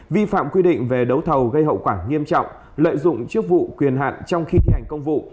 vi phạm quy định về đấu thầu gây hậu quả nghiêm trọng lợi dụng chức vụ quyền hạn trong khi thi hành công vụ